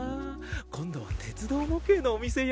今度は鉄道模型のお店やろうかな。